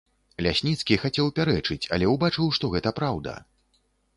Лясніцкі хацеў пярэчыць, але ўбачыў, што гэта праўда.